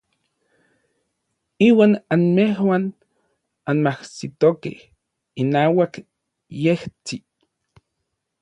Iuan anmejuan anmajsitokej inauak yejtsin.